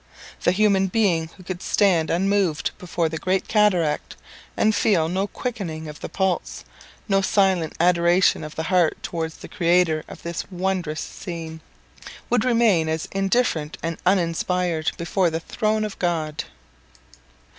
The human being who could stand unmoved before the great cataract, and feel no quickening of the pulse, no silent adoration of the heart towards the Creator of this wondrous scene, would remain as indifferent and as uninspired before the throne of God!